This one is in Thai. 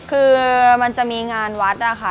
คือมันจะมีงานวัดนะคะ